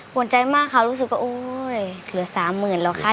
ห่วงใจมากค่ะรู้สึกเหลือ๓๐๐๐๐บาทแล้วค่ะ